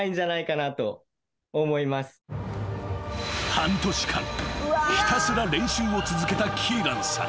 ［半年間ひたすら練習を続けたキーランさん］